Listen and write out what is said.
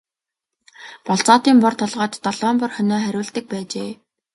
Болзоотын бор толгойд долоон бор хонио хариулдаг байжээ.